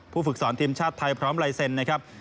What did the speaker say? ผู้ฝึกศรทีมชาติไทยพร้อมลายเซ็นนะครับ